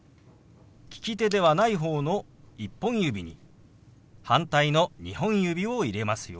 利き手ではない方の１本指に反対の２本指を入れますよ。